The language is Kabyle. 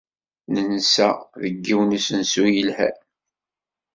Nensa deg yiwen n usensu yelhan.